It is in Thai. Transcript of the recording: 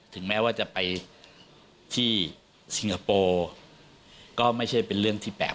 แม้ว่าจะไปที่สิงคโปร์ก็ไม่ใช่เป็นเรื่องที่แปลก